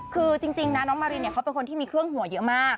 คือจริงนะน้องมารินเขาเป็นคนที่มีเครื่องหัวเยอะมาก